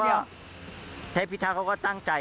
อย่างเทพทักเขาก็ก็ตั้งใจ